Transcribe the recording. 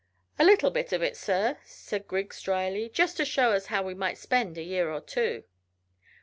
"A little bit of it, sir," said Griggs dryly; "just to show us how we might spend a year or two."